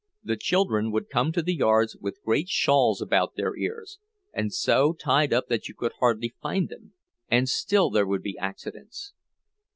The children would come to the yards with great shawls about their ears, and so tied up that you could hardly find them—and still there would be accidents.